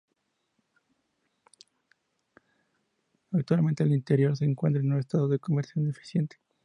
Actualmente, el interior se encuentra en un estado de conservación deficiente.